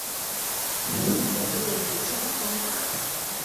林果业比较发达。